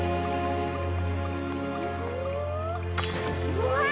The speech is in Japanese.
うわ！